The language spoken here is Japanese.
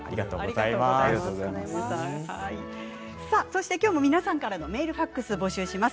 続きまして今日も皆さんからのメール、ファックスを募集します。